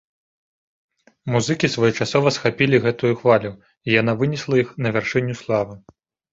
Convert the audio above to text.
Музыкі своечасова схапілі гэтую хвалю і яна вынесла іх на вяршыню славы.